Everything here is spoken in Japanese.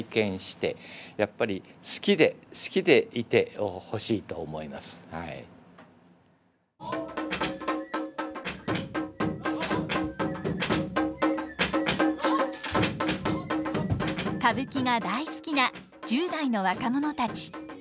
こういう歌舞伎が大好きな１０代の若者たち。